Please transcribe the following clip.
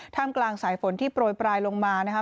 กลางสายฝนที่โปรยปลายลงมานะครับ